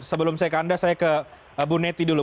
sebelum saya ke anda saya ke bu neti dulu